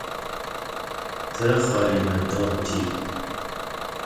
Te xherêne değu ti'.